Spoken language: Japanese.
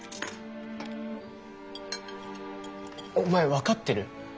お前分かってる？